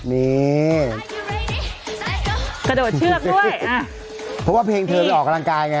นี่กระโดดเชือกด้วยอ่ะเพราะว่าเพลงเธอไปออกกำลังกายไง